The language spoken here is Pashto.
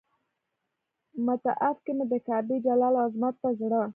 مطاف کې مې د کعبې جلال او عظمت ته زړه.